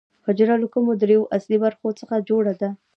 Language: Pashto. حجره له کومو درېیو اصلي برخو څخه جوړه ده